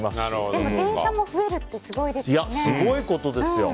でも、電車も増えるってすごいですよね。